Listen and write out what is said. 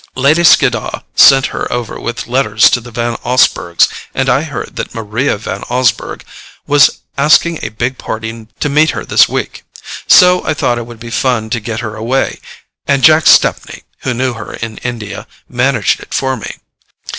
Lady Skiddaw sent her over with letters to the Van Osburghs, and I heard that Maria Van Osburgh was asking a big party to meet her this week, so I thought it would be fun to get her away, and Jack Stepney, who knew her in India, managed it for me.